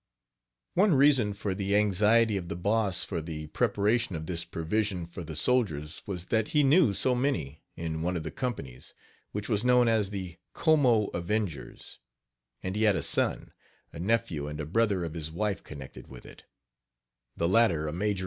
One reason for the anxiety of the Boss for the preparation of this provision for the soldiers was that he knew so many in one of the companies, which was known as the "Como Avengers," and he had a son, a nephew and a brother of his wife connected with it; the latter a major on Gen. Martin's staff.